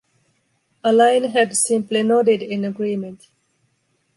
Alain had simply nodded in agreement.